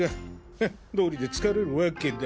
ハッどうりで疲れるワケだ。